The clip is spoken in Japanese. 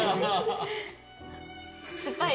酸っぱい。